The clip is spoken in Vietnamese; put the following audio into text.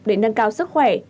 để nâng cao sức khỏe